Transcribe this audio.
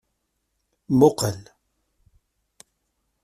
Muqel.